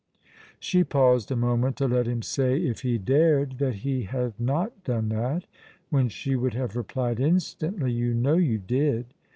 She paused a moment to let him say, if he dared, that he had not done that, when she would have replied instantly, "You know you did."